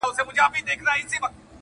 په بل کلي کي د دې سړي یو یار وو,